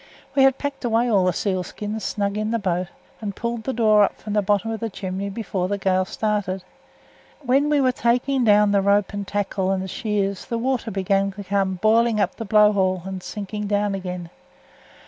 We had packed away all th' seal skins snug in th' boat and pulled th' door up from th' bottom of th' chimney before th' gale started. When we were taking down the rope and tackle and th' shears, th' water began to come boiling up th' blow hole and sinking down again.